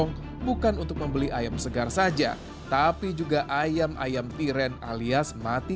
cuma diumpetin nggak terang terangan begitu